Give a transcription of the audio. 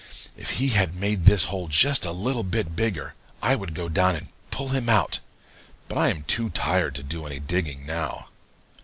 If he had made this hole just a little bit bigger I would go down and pull him out, but I am too tired to do any digging now.'